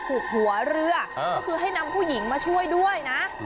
หัวเรือก็คือให้นำผู้หญิงมาช่วยด้วยนะ